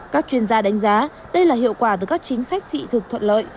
các chuyên gia đánh giá đây là hiệu quả từ các chính sách thị thực thuận lợi